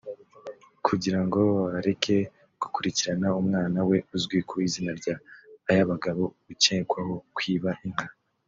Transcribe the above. kugira ngo areke gukurikirana umwana we uzwi ku izina rya Ayabagabo ukekwaho kwiba inka